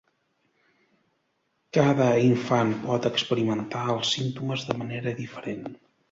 Cada infant pot experimentar els símptomes de manera diferent.